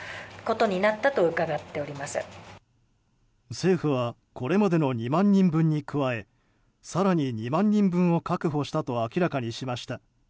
政府はこれまでの２万人分に加え更に２万人分を確保したと明らかにしました。